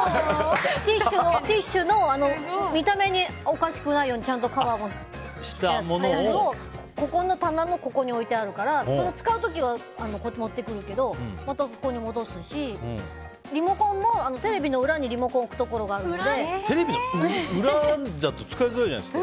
ティッシュの見た目がおかしくないようにちゃんとカバーをしたやつをこの棚のここにおいてあるから使う時は持ってくるけどまたここに戻すしリモコンもテレビの裏にテレビの裏だと使いづらいじゃないですか。